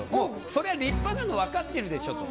そりゃ立派なのは分かってるでしょと。